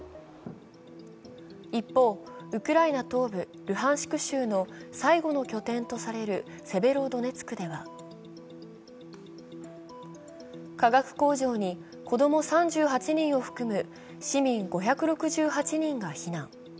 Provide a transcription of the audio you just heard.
一方、ウクライナ東部ルハンシク州の最後の拠点とされるセベロドネツクでは化学工場に子供３８人を含む市民５６８人が避難。